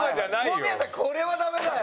小宮さんこれはダメだよ。